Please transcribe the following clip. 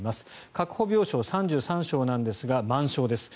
確保病床３３床なんですが満床です。